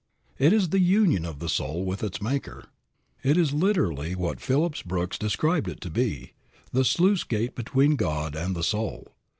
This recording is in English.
It is the union of the soul with its Maker. It is literally what Phillips Brooks described it to be, the sluice gate between God and the soul.